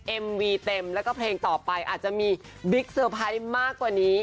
เอ็มวีเต็มแล้วก็เพลงต่อไปอาจจะมีบิ๊กเซอร์ไพรส์มากกว่านี้